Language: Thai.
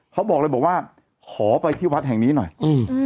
เขาบอกเลยบอกว่าขอไปที่วัดแห่งนี้หน่อยอืม